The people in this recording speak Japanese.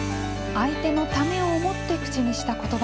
相手のためを思って口にした言葉。